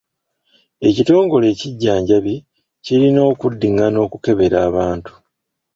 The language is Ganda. Ekitongole ekijjanjambi kirina okuddingana okukebera abantu.